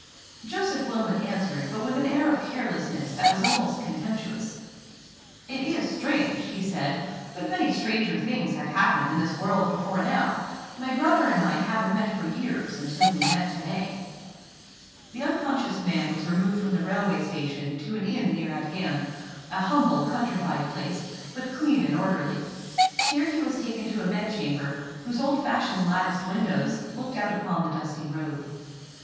Joseph Wilmot answered with an air of carelessness that was almost contemptuous: "It is strange," he said; "but many stranger things have happened in this world before now. My brother and I haven't met for years until we met to day." The unconscious man was removed from the railway station to an inn near at hand—a humble, countrified place, but clean and orderly. Here he was taken to a bed chamber, whose old fashioned latticed windows looked out upon the dusty road.